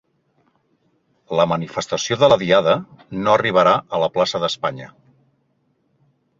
La manifestació de la Diada no arribarà a la plaça d'Espanya